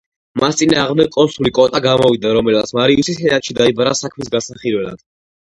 მის წინააღმდეგ კონსული კოტა გამოვიდა, რომელმაც მარიუსი სენატში დაიბარა საქმის განსახილველად.